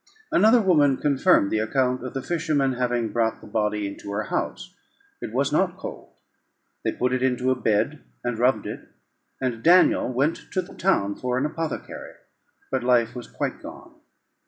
Another woman confirmed the account of the fishermen having brought the body into her house; it was not cold. They put it into a bed, and rubbed it; and Daniel went to the town for an apothecary, but life was quite gone.